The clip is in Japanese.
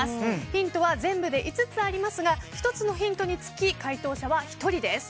ヒントは全部で５つありますが１つのヒントにつき解答者は１人です。